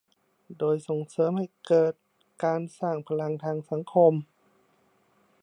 โดยส่งเสริมให้เกิดการสร้างพลังทางสังคม